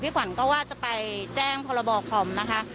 ขวัญก็ว่าจะไปแจ้งพรบคอมนะคะ